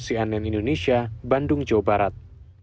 dan cnn indonesia bandung jawa barat